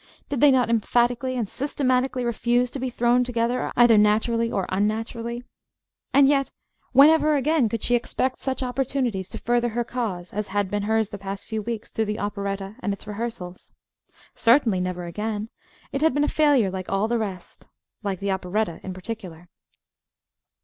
Did they not emphatically and systematically refuse to be "thrown together," either naturally, or unnaturally? And yet whenever again could she expect such opportunities to further her Cause as had been hers the past few weeks, through the operetta and its rehearsals? Certainly, never again! It had been a failure like all the rest; like the operetta, in particular.